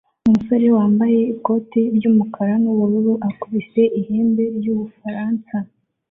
Umusore wambaye ikoti ry'umukara n'ubururu akubise ihembe ry'Ubufaransa